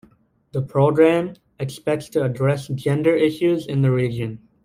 The programme expects to address gender issues in the region.